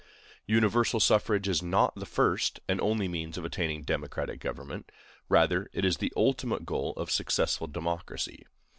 Universal suffrage is not the first and only means of attaining democratic government; rather, it is the ultimate goal of successful democracy.